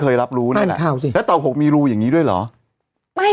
อยากรู้ไง